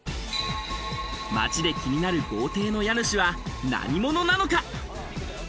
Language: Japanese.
街で気になる豪邸の家主は何者なのか。